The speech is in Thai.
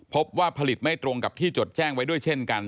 พบว่าผลิตไม่ตรงกับที่จดแจ้งไว้ด้วยเช่นกัน